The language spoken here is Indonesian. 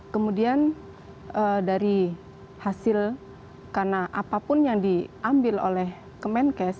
kemudian dari hasil karena apapun yang diambil oleh kemenkes